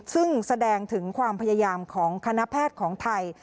ซึ่งแสดงถึงความพยายามของคณะแพทย์ของไทย